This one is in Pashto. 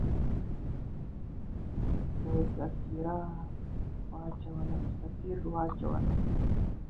په سفیر واچوله.